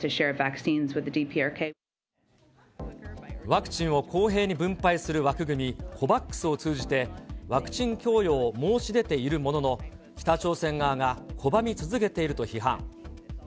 ワクチンを公平に分配する枠組み、ＣＯＶＡＸを通じて、ワクチン供与を申し出ているものの、北朝鮮側が拒み続けていると批判。